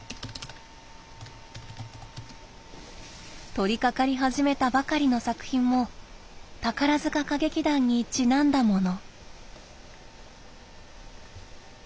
取りかかり始めたばかりの作品も宝塚歌劇団にちなんだもの。